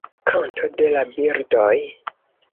Kanto de la birdoj.